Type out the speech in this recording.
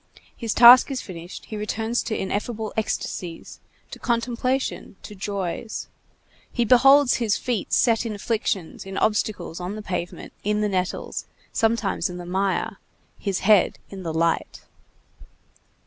His task finished, he returns to ineffable ecstasies, to contemplation, to joys; he beholds his feet set in afflictions, in obstacles, on the pavement, in the nettles, sometimes in the mire; his head in the light.